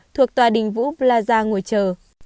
thuộc tòa đình vũ plaza ngồi chờ